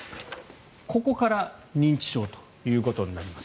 ここから認知症ということになります。